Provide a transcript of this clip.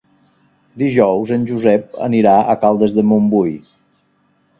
Dijous en Josep anirà a Caldes de Montbui.